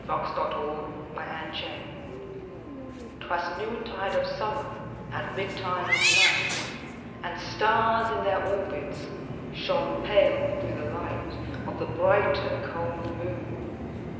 1827 Evening Star 'Twas noontide of summer, And midtime of night, And stars, in their orbits, Shone pale, through the light Of the brighter, cold moon.